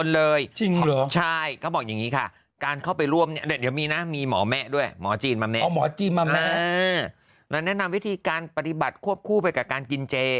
และแนะนำวิธีการปฏิบัติควบคู่ไปกับการกินเจ